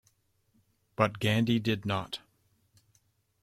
But Gandhi did not.